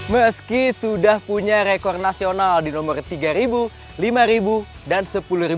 meski sudah punya rekor nasional di nomor tiga ribu lima ribu dan seribu meter